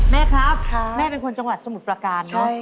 แม่ครับแม่เป็นคนจังหวัดสมรรย์ประการใช่ไหมครับ